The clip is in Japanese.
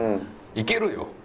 いけるよ。